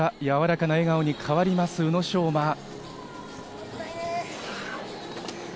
やわらかな笑顔に変わります、宇野昌磨。